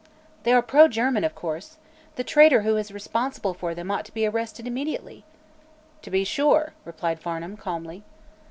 "They are pro German, of course. The traitor who is responsible for them ought to be arrested immediately." "To be sure," replied Farnum, calmly.